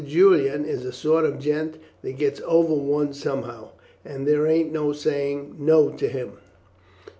Julian, he is a sort of gent that gets over one somehow, and there ain't no saying 'no' to him."